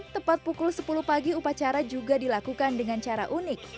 tepat pukul sepuluh pagi upacara juga dilakukan dengan cara unik